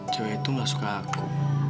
cewek itu gak suka aku